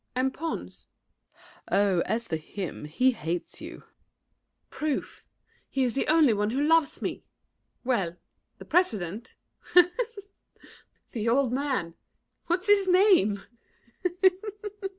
MARION. And Pons? SAVERNY. Oh, as for him, he hates you! MARION. Proof He is the only one who loves me! Well, The President? The old man! What's his name?